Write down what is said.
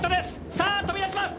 さあ飛び出します！